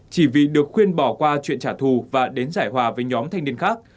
chỉ vì được khuyên bỏ qua chuyện trả thù và đến giải hòa với nhóm thanh niên khác